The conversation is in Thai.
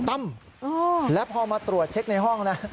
ตั้มและพอมาตรวจเช็คในห้องนะ